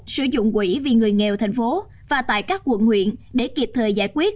sử dụng quỹ vì người nghèo thành phố và tại các quận huyện để kịp thời giải quyết